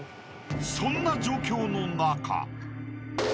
［そんな状況の中］